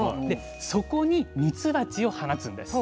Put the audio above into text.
そこにミツバチを放つんです。